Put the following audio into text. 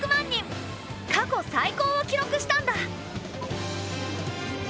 過去最高を記録したんだ。